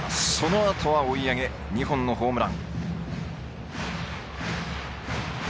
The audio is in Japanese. そのあとは追いあげ２本のホームラン。